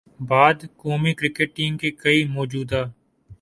بعد قومی cricket team کے کئی موجودہ